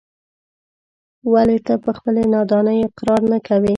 ولې ته په خپلې نادانۍ اقرار نه کوې.